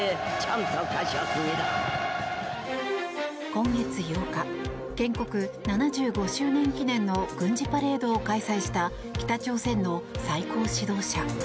今月８日、建国７５周年記念の軍事パレードを開催した北朝鮮の最高指導者。